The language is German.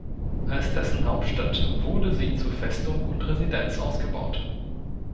Als dessen Hauptstadt wurde sie zur Festung und Residenz ausgebaut.